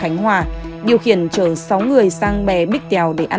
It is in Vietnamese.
chú phạm trí hồng uyên